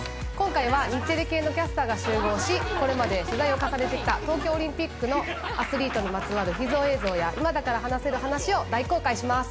今回は日テレ系のキャスターが集合し、これまで取材を重ねてきた東京リンピックのアスリートにまつわる秘蔵映像や今だから話せる話を大公開します。